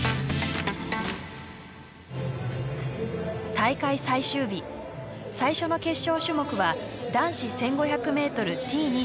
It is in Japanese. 大会最終日最初の決勝種目は男子１，５００ｍＴ２０